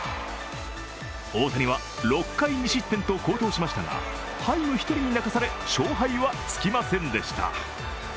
大谷は６回２失点と好投しましたがハイム１人に泣かされ、勝敗はつきませんでした。